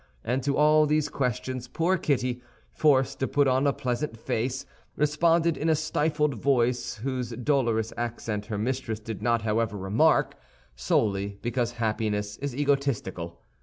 And to all these questions poor Kitty, forced to put on a pleasant face, responded in a stifled voice whose dolorous accent her mistress did not however remark, solely because happiness is egotistical.